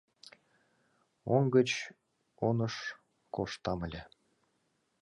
Оҥ гыч оныш коштам ыле.